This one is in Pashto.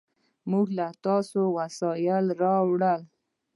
موږ ستا وسایل راوړل.